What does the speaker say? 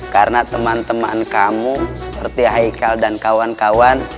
karena teman teman kamu seperti haikal dan kawan kawan